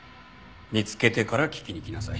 見つけてから聞きに来なさい。